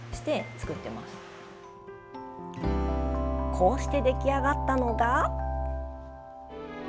こうして出来上がったのが。